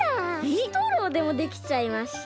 ストローでもできちゃいました。